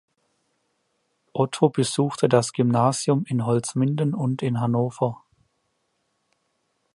Otto besuchte das Gymnasium in Holzminden und in Hannover.